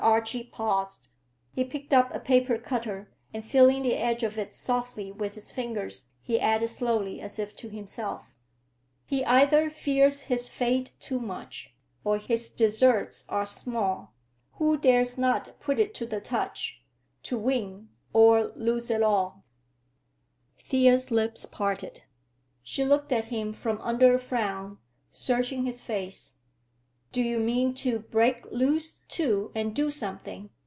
Archie paused. He picked up a paper cutter and, feeling the edge of it softly with his fingers, he added slowly, as if to himself:— "He either fears his fate too much, Or his deserts are small, Who dares not put it to the touch To win...or lose it all." Thea's lips parted; she looked at him from under a frown, searching his face. "Do you mean to break loose, too, and—do something?"